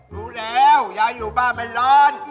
รู้แล้วยายอยู่บ้านมันร้อน